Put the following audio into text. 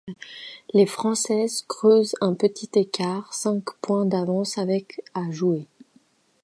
Les Françaises creusent un petit écart, cinq points d'avance avec à jouer.